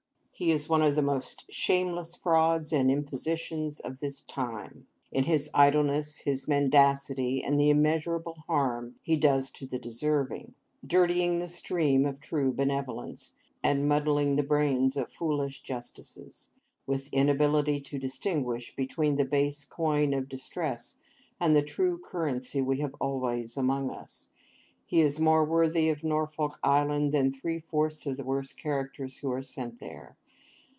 He is one of the most shameless frauds and impositions of this time. In his idleness, his mendacity, and the immeasurable harm he does to the deserving,—dirtying the stream of true benevolence, and muddling the brains of foolish justices, with inability to distinguish between the base coin of distress, and the true currency we have always among us,—he is more worthy of Norfolk Island than three fourths of the worst characters who are sent there.